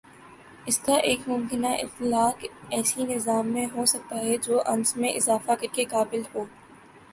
اس کا ایک ممکنہ اطلاق ایس نظام میں ہو سکتا ہے جو انس میں اضافہ کر کے قابل ہو